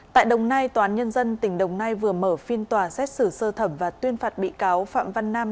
tại đồng nai tòa án nhân dân tỉnh đồng nai vừa mở phiên tòa xét xử sơ thẩm và tuyên phạt bị cáo phạm văn nam